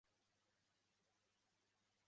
母马氏。